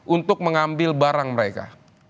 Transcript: untuk mengambil barang mereka